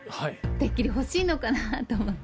てっきり欲しいのかなと思って。